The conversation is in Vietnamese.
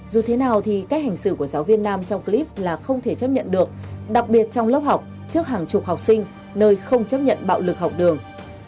dù thế nào thì cách hành xử của giáo viên nam trong clip là không thể chấp nhận được đặc biệt trong lớp học trước hàng chục học sinh nơi không chấp nhận bạo lực học đường